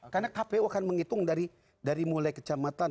karena kpu akan menghitung dari mulai kecamatan